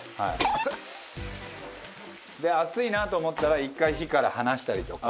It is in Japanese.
熱っ！で熱いなと思ったら１回火から離したりとか。